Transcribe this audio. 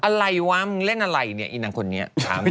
อะไรวะมึงเล่นอะไรเนี่ยอีนางคนนี้ถาม